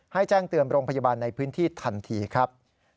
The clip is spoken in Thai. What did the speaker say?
ให้แจ้งเตือนโรงพยาบาลในพื้นที่ทันทีครับ